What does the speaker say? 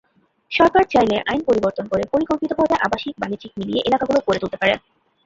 সরকার চাইলে আইন পরিবর্তন করে পরিকল্পিতভাবে আবাসিক-বাণিজ্যিক মিলিয়ে এলাকাগুলো গড়ে তুলতে পারে।